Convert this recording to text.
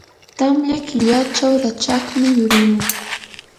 tamya killachaw rachakmi yurimun.